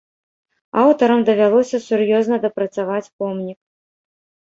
Аўтарам давялося сур'ёзна дапрацаваць помнік.